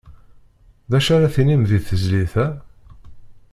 D acu ara tinim di tezlit-a?